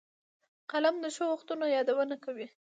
قلم د ښو وختونو یادونه کوي